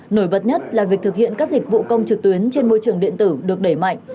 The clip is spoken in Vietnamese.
nổi bật nhất là việc thực hiện các dịch vụ công trực tuyến trên môi trường điện tử được đẩy mạnh